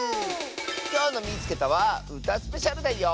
きょうの「みいつけた！」はうたスペシャルだよ！